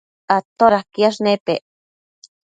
todaquiash nepec?